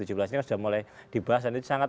ini sudah mulai dibahas dan itu sangat